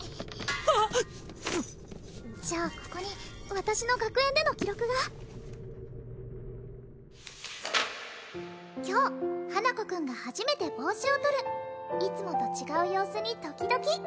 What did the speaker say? じゃあここに私の学園での記録が「今日花子くんがはじめて帽子をとる」「いつもと違う様子にドキドキ」